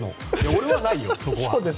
俺はないよ、それは。